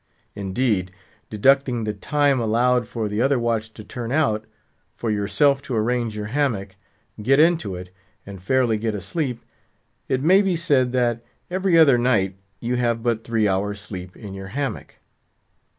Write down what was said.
Indeed, deducting the time allowed for the other watch to turn out; for yourself to arrange your hammock, get into it, and fairly get asleep; it maybe said that, every other night, you have but three hours' sleep in your hammock.